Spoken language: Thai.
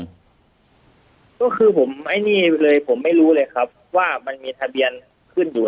ก็คือผมไอ้นี่เลยผมไม่รู้เลยครับว่ามันมีทะเบียนขึ้นอยู่